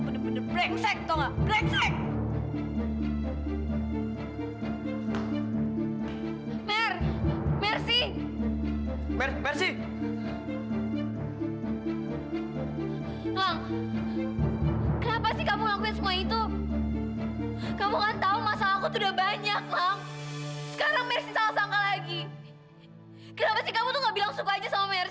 kenapa sih kamu tuh gak bilang suka aja sama mercy